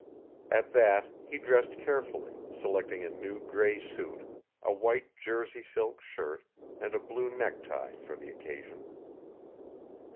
At that, he dressed carefully, selecting a new gray suit, a white jersey silk shirt and a blue necktie for the occasion.